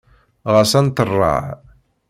Ɣas ad nṭerreɣ.